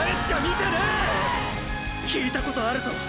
聞いたことあるぞ